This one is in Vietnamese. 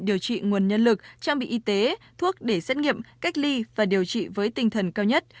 điều trị nguồn nhân lực trang bị y tế thuốc để xét nghiệm cách ly và điều trị với tinh thần cao nhất